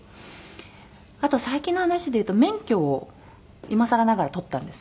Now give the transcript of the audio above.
あと最近の話でいうと免許を今更ながら取ったんです。